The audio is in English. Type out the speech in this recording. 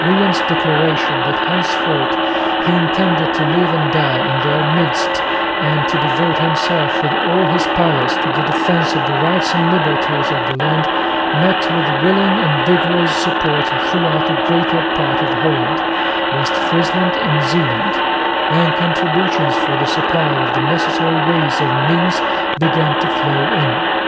William's declaration that henceforth he intended to live and die in their midst and to devote himself with all his powers to the defence of the rights and liberties of the land met with willing and vigorous support throughout the greater part of Holland, West Friesland and Zeeland; and contributions for the supply of the necessary ways and means began to flow in.